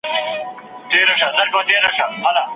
بېګانه له خپله ښاره، له خپل کلي پردو خلکو!